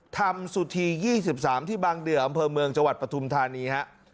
ธรรมสุธียี่สิบสามที่บางเดือมอำเภอเมืองจังหวัดประทุมธานีฮะ